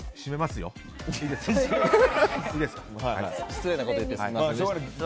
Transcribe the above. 失礼なこと言ってすみませんでした。